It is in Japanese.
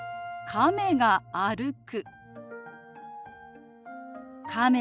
「亀が歩く」。